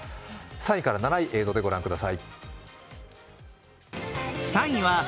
３位から７位、映像でご覧ください。